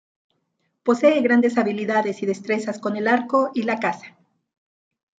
Posee grandes habilidades y destrezas con el Arco y la Caza.